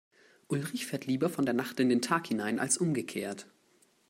Ulrich fährt lieber von der Nacht in den Tag hinein als umgekehrt.